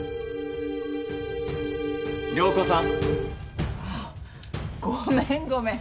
涼子さん？あっごめんごめん。